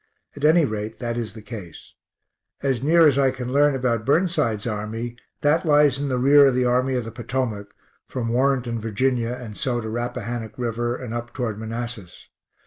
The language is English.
At any rate that is the case. As near as I can learn about Burnside's army, that lies in the rear of the Army of the Potomac (from Warrenton, Virginia and so to Rappahannock river and up toward Manassas).